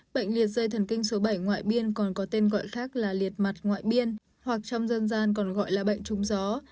bệnh liệt dây thần kinh số bảy ngoại biên còn có tên gọi khác là liệt mặt ngoại biên hoặc trong dân gian còn gọi là bệnh trung gió